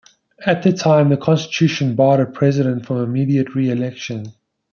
At the time, the Constitution barred a president from immediate reelection.